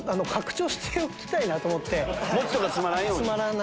餅とか詰まらんように。